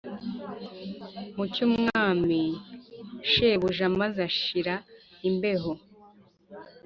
mu cy'umwami, shebuja, maze ashira imbeho.